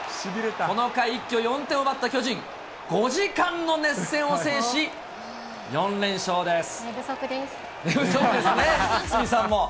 この回、一挙４点を奪った巨人、５時間の熱戦を制し、４連勝です。